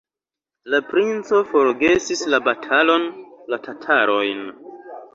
La princo forgesis la batalon, la tatarojn.